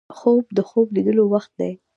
خوب د خوب لیدلو وخت دی